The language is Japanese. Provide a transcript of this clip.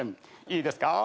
いいですか？